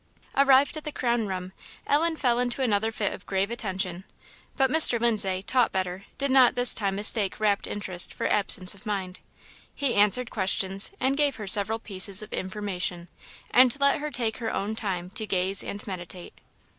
Arrived at the Crown room, Ellen fell into another fit of grave attention; but Mr. Lindsay, taught better, did not this time mistake rapt interest for absence of mind. He answered questions, and gave her several pieces of information, and let her take her own time to gaze and meditate.